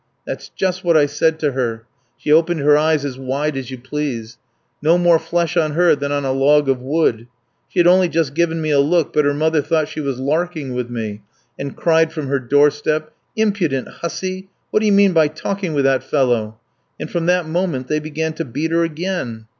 That's just what I said to her; she opened her eyes as wide as you please. No more flesh on her than on a log of wood. She had only just given me a look, but her mother thought she was larking with me, and cried from her door step, 'Impudent hussy, what do you mean by talking with that fellow?' And from that moment they began to beat her again.